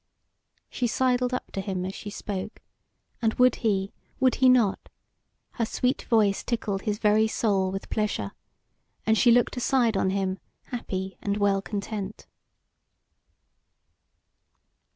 She sidled up to him as she spoke, and would he, would he not, her sweet voice tickled his very soul with pleasure, and she looked aside on him happy and well content.